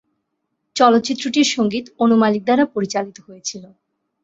চলচ্চিত্রটির সঙ্গীত অনু মালিক দ্বারা পরিচালিত হয়েছিলো।